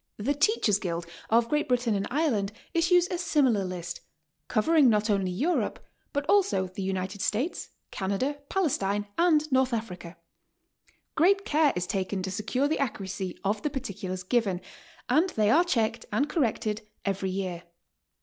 The Teachers' Guild of Great Britain and Ireland issues a similar list, covering not only Europe, but also the United States, Canada, Palestine and North Africa. Great care is taken to secure the accuracy of the particulars given, and they are checked and corrected every .year.